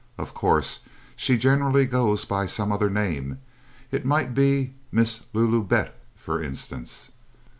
Of course, she generally goes by some other name. It might be "Miss Lulu Bett," for instance.